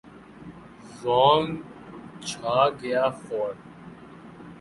زونگ چھا گیا فور